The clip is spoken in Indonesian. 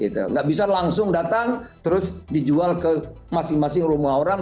tidak bisa langsung datang terus dijual ke masing masing rumah orang